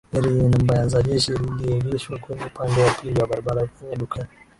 Gari lenye namba za jeshi liliegeshwa kwenye upande wa pili wa barabara kwenye duka